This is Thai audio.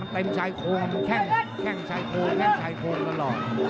มันเป็นชายโคลนแข้งแข้งชายโคลนแข้งชายโคลนกลัวร้อน